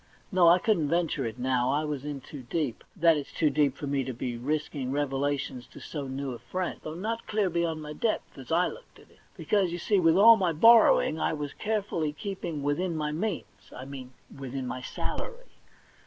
No, I couldn't venture it now ; I was in too deep; that is, too deep for me to be risking revelations to so new a friend, though not clear be yond my depth, as I looked at it. Because, you see, with all my borrowing, I was carefully keeping within my means — I mean within my salary.